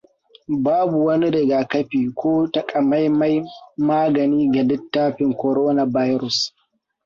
Babu wani rigakafi ko takamaiman magani ga littafin coronavirus.